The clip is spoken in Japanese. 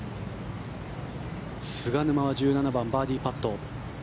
菅沼は１７番、バーディーパット。